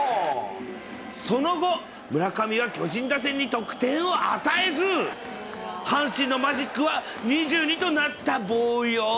その後、村上は巨人打線に得点を与えず、阪神のマジックは２２となったボーよ。